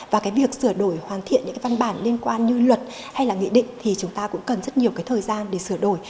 và việc sửa đổi hoàn thiện những văn bản liên quan như luật hay nghị định thì chúng ta cũng cần rất nhiều thời gian để sửa đổi